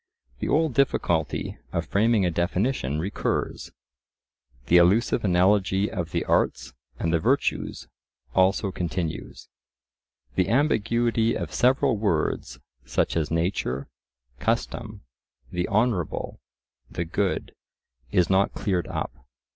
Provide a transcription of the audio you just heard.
The old difficulty of framing a definition recurs. The illusive analogy of the arts and the virtues also continues. The ambiguity of several words, such as nature, custom, the honourable, the good, is not cleared up.